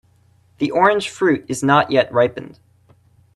The orange fruit is not yet ripened.